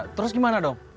terus gimana dong